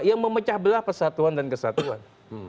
yang memecah belah persatuan dan kesatuan